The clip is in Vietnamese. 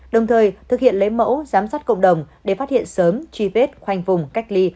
đồng thời thực hiện lấy mẫu giám sát cộng đồng để phát hiện sớm truy vết khoanh vùng cách ly